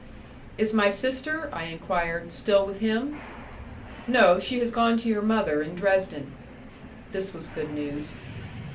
"Is my sister," I enquired, "still with him?" "No, she has gone to your mother in Dresden." This was good news.